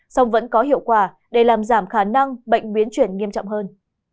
song vẫn có hiệu quả để làm giảm khả năng bệnh biến chuyển nghiêm trọng hơn